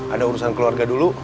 ada urusan keluarga dulu